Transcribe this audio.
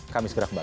kami segera kembali